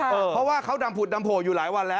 เพราะว่าเขาดำผุดดำโผล่อยู่หลายวันแล้ว